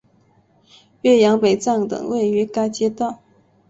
岳阳北站等位于该街道。